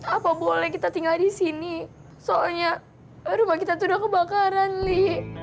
apa boleh kita tinggal di sini soalnya rumah kita tuh udah kebakaran nih